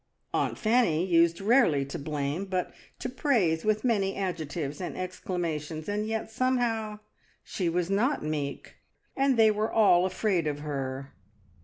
Aunt Fanny used rarely to blame, but to praise with many adjectives and exclamations, and yet somehow she was not meek, and they were all afraid of her.